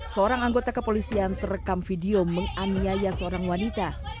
seorang anggota kepolisian terekam video menganiaya seorang wanita